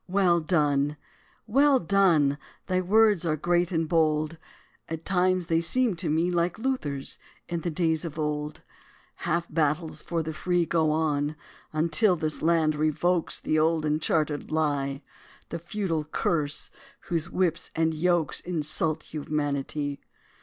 well done!" Well done! Thy words are great and bold; At times they seem to me, Like Luther's, in the days of old, Half battles for the free. Go on, until this land revokes The old and chartered Lie, The feudal curse, whose whips and yokes Insult humanity.